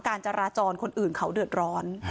การจราจรคนอื่นเขาเดือดร้อน